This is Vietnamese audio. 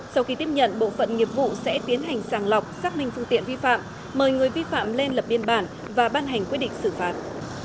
sau khi tiếp nhận bộ phận nghiệp vụ sẽ tiến hành sàng lọc xác minh phương tiện vi phạm mời người vi phạm lên lập biên bản và ban hành quyết định xử phạt